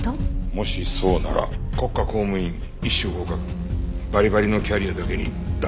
もしそうなら国家公務員Ⅰ種合格バリバリのキャリアだけに大問題だ。